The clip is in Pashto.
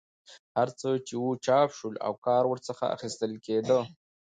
هر څه چې وو چاپ شول او کار ورڅخه اخیستل کېدی.